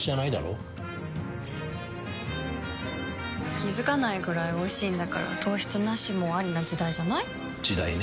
気付かないくらいおいしいんだから糖質ナシもアリな時代じゃない？時代ね。